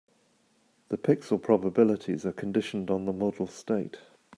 The pixel probabilities are conditioned on the model state.